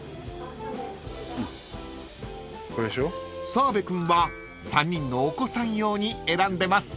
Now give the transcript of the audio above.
［澤部君は３人のお子さん用に選んでます］